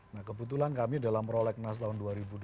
nah kebetulan kami dalam role kenas tahun dua ribu dua puluh